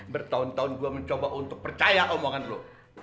bertahun tahun gue mencoba untuk percaya omongan lo